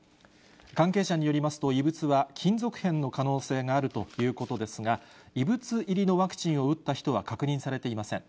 関係者によりますと、異物は金属片の可能性があるということですが、異物入りのワクチンを打った人は確認されていません。